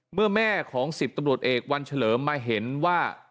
เมื่อแม่ของ๑๐ตำรวจเอกวันเฉลิมมาเห็นว่า